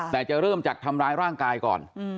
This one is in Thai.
แต่จะเริ่มจากทำร้ายร่างกายก่อน